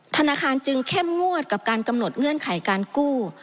ธนาคารจึงเข้มงวดกับการกำหนดเงื่อนไขการกู้